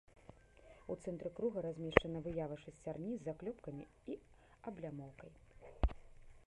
У цэнтры круга размешчана выява шасцярні з заклёпкамі і аблямоўкай.